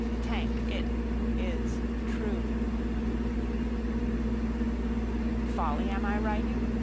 The tank. It. Is. True. Folly am I writing?